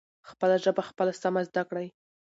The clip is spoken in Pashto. خپله ژبه پخپله سمه زدکړئ.